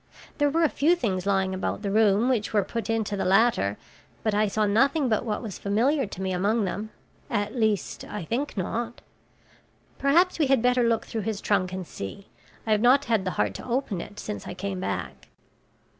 There were a few things lying about the room which were put into the latter, but I saw nothing but what was familiar to me among them; at least, I think not; perhaps we had better look through his trunk and see. I have not had the heart to open it since I came back."